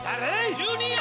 １２や！